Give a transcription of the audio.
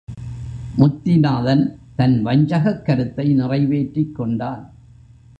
முத்திநாதன் தன் வஞ்சகக் கருத்தை நிறைவேற்றிக் கொண்டான்.